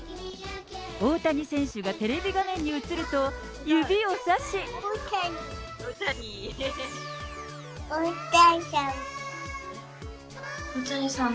大谷選手がテレビ画面に映ると、大谷さんは？